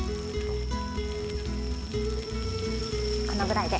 このぐらいで。